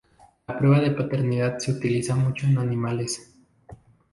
La prueba de paternidad se utiliza mucho en animales.